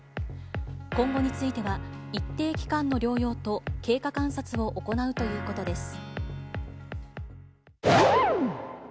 今後については、一定期間の療養と経過観察を行うということです。